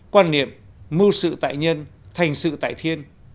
quan niệm mưu sự tại nhân thành sự tại thiên